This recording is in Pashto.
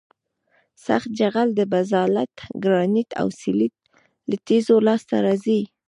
سخت جغل د بزالت ګرانیت او سلیت له تیږو لاسته راځي